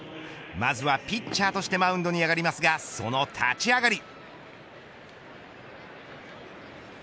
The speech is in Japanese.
まずはピッチャーとしてマウンドに上がりますがその立ち上がり。